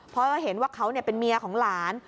เพราะเห็นว่าเขาเป็นเมียของหลาน